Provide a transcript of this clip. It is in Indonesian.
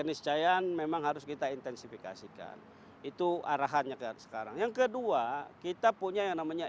keniscayaan memang harus kita intensifikasikan itu arahannya sekarang yang kedua kita punya yang namanya